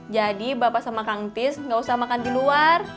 jadi bapak sama kang tis gak usah makan di luar